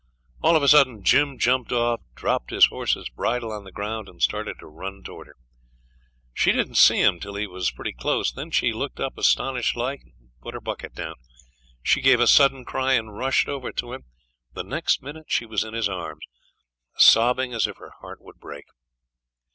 All of a sudden Jim jumped off, dropped his horse's bridle on the ground, and started to run towards her. She didn't see him till he was pretty close; then she looked up astonished like, and put her bucket down. She gave a sudden cry and rushed over to him; the next minute she was in his arms, sobbing as if her heart would break.